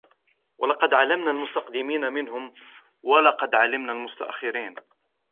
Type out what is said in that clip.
ولقد علمنا المستقدمين منكم ولقد علمنا المستأخرين